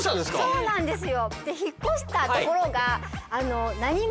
そうなんですよ。